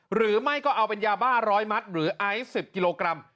หรือไม่ก็เอาเป็นยาบ้า๑๐๐มัตต์หรือไอซ์๑๐กิโลกรัม